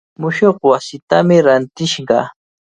Mushuq wasitami rantishqa.